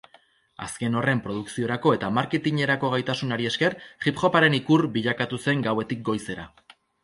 Azken horren produkziorako eta marketingerako gaitasunari esker hip-hoparen ikur bilakatu zen gauetik goizera.